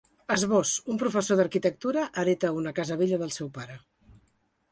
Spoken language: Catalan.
Esbós: Un professor d’arquitectura, hereta una casa vella del seu pare.